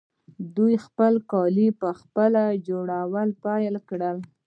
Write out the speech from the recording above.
دوی خپل کالي پخپله جوړول پیل کړل.